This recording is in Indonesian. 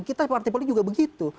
kita partipali juga begitu